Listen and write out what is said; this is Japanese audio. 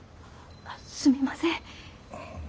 あっすみません。